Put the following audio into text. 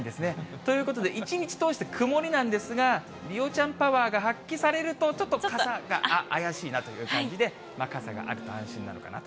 ということで、一日通して曇りなんですが、梨央ちゃんパワーが発揮されると、ちょっと傘が、怪しいなという感じで、傘があると安心なのかなと。